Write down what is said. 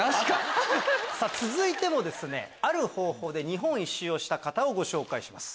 続いてもある方法で日本一周した方をご紹介します。